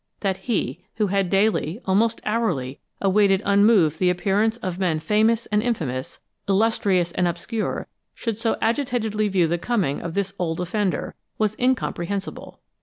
That he who had daily, almost hourly, awaited unmoved the appearance of men famous and infamous, illustrious and obscure, should so agitatedly view the coming of this old offender, was incomprehensible.